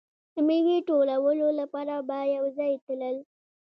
د میوې ټولولو لپاره به یو ځای تلل.